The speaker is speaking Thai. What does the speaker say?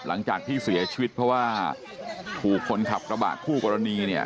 หลังจากที่เสียชีวิตเพราะว่าถูกคนขับกระบะคู่กรณีเนี่ย